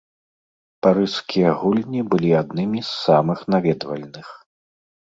Парыжскія гульні былі аднымі з самых наведвальных.